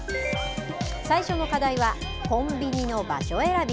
最初の課題は、コンビニの場所選び。